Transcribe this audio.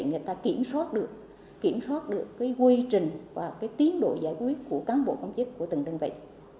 người ta kiểm soát được quy trình và tiến độ giải quyết của cán bộ công chức của từng đơn vị